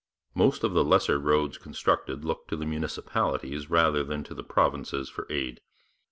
Most of the lesser roads constructed looked to the municipalities rather than to the provinces for aid.